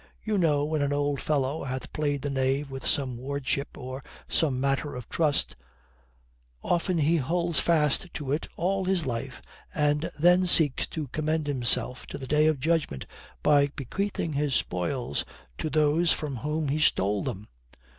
You know when an old fellow hath played the knave with some wardship or some matter of trust, often he holds fast to it all his life and then seeks to commend himself to the day of judgment by bequeathing his spoils to those from whom he stole them.